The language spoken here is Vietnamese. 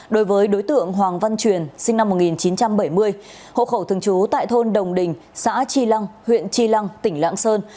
đối với đối tượng hoàng văn truyền sinh năm một nghìn chín trăm bảy mươi hộ khẩu thường trú tại thôn đồng đình xã tri lăng huyện tri lăng tỉnh lạng sơn